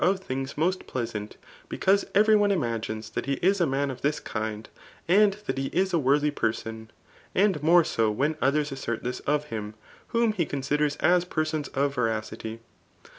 of Amp moit plteni^ because every one unaginaa ibai he is a inan of this kind, and that he is a worthy person ; and more so when others assert this of him, whom .he eonsiders as persons of veracity.